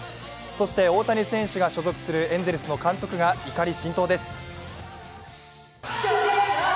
そして大谷選手が所属するエンゼルスの監督が怒り心頭です。